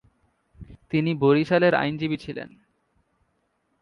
তিনি বরিশালের আইনজীবী ছিলেন।